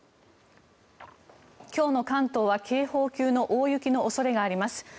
今日の関東は警報級の大雪の恐れがあります。